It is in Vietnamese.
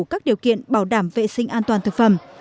các điều kiện bảo đảm vệ sinh an toàn thực phẩm